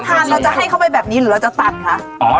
ทานเราจะให้เข้าไปแบบนี้หรือเราจะตัดคะ